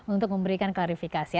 untuk memberikan klarifikasi ya